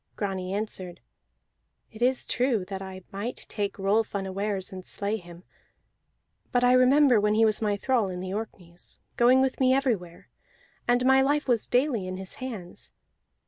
Grani answered: "It is true that I might take Rolf unawares, and slay him. But I remember when he was my thrall in the Orkneys, going with me everywhere, and my life was daily in his hands.